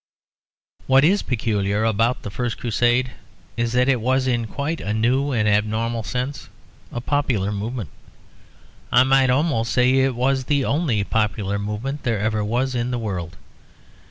What is peculiar about the First Crusade is that it was in quite a new and abnormal sense a popular movement. I might almost say it was the only popular movement there ever was in the world.